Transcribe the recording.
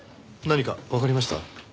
何かわかりました？